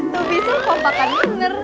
tuh bisul kok bakal denger